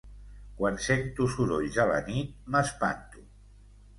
Quan sento sorolls a la nit m'espanto.